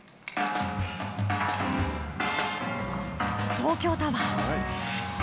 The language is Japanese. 東京タワー。